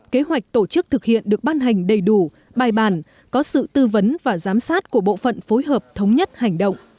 kế hoạch tổ chức thực hiện được ban hành đầy đủ bài bàn có sự tư vấn và giám sát của bộ phận phối hợp thống nhất hành động